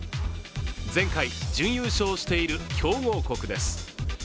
前回、準優勝している強豪国です。